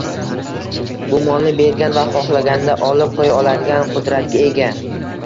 bu molni bergan va xoxlaganida olib qo'ya oladigan qudratga ega